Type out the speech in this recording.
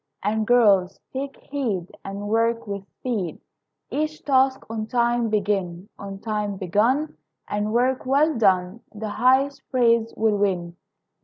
And girls, take heed, And work with speed; Each task on time begin; On time begun, And work well done, The highest praise will win.